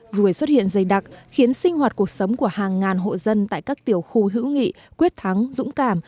ruồi xuất hiện dày đặc khiến sinh hoạt cuộc sống của hàng ngàn hộ dân tại các tiểu khu hữu nghị quyết thắng dũng cảm